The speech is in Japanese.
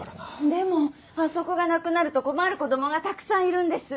でもあそこがなくなると困る子供がたくさんいるんです。